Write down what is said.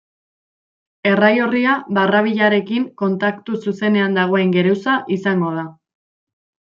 Errai orria barrabilarekin kontaktu zuzenean dagoen geruza izango da.